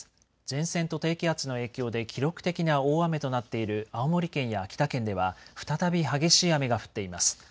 前線と低気圧の影響で記録的な大雨となっている青森県や秋田県では再び激しい雨が降っています。